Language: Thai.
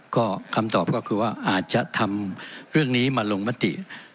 ก็คำตอบก็คือว่าอาจจะทำเรื่องนี้มาลงมติ